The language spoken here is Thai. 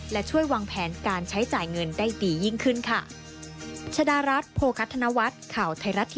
และช่วยวางแผนการใช้จ่ายเงินได้ดียิ่งขึ้นค่ะ